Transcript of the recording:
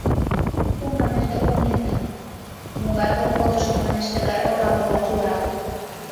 — Пу, манеш, документетым: могай колхозышто, манеш, тыгай ораде-влак илат?